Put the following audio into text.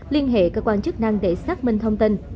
liên hệ cơ quan chức năng để xác minh thông tin